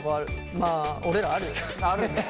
まあ俺らあるよね。